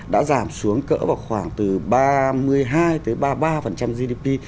đã giảm xuống cỡ vào khoảng từ ba mươi hai ba mươi ba gdp